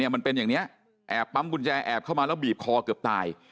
มันเป็นอย่างนี้แอบปั๊มกุญแจแอบเข้ามาแล้วบีบคอเกือบตาย